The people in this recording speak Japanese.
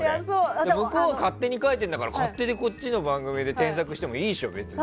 向こうが勝手に書いてるんだから勝手にこっちの番組で添削してもいいでしょ、別に。